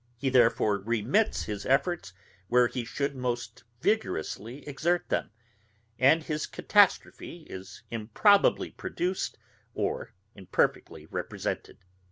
He therefore remits his efforts where he should most vigorously exert them, and his catastrophe is improbably produced or imperfectly represented.